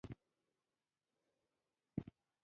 غلی کېنه ډوډۍ وخوره.